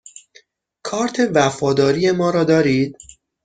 کارت وفاداری ما را دارید؟